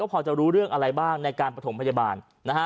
พอจะรู้เรื่องอะไรบ้างในการประถมพยาบาลนะฮะ